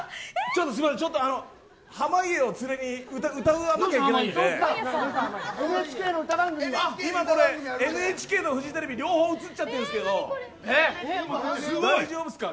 ちょっと濱家を連れに歌わなきゃいけないので今からＮＨＫとフジテレビ両方映っちゃってるんですけど大丈夫ですか。